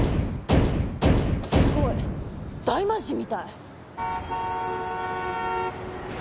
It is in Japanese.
すごい大魔神みたい。